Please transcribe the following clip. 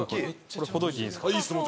これほどいていいですか？